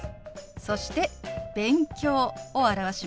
そして「勉強」を表します。